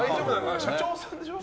社長さんでしょ。